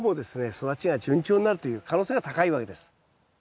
育ちが順調になるという可能性が高いわけです。